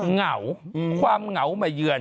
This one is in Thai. เหงาความเหงามาเยือน